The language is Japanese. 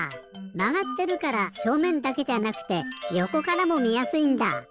まがってるからしょうめんだけじゃなくてよこからもみやすいんだ！